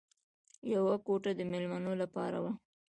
یوه کوټه د مېلمنو لپاره وه